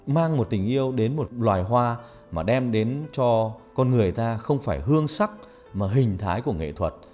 mang một tình yêu đến một loài hoa mà đem đến cho con người ta không phải hương sắc mà hình thái của nghệ thuật